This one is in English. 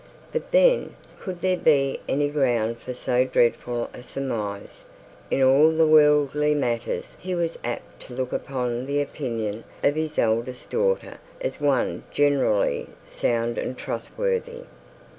But then, could there be any ground for so dreadful a surmise? In all worldly matters he was apt to look upon the opinion of his eldest daughter, as one generally sound and trustworthy.